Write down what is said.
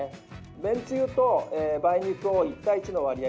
めんつゆと梅肉を、１対１の割合